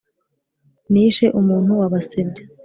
nishe umuntu wa basebya